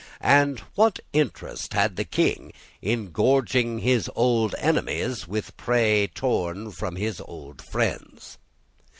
And what interest had the King in gorging his old enemies with prey torn from his old friends?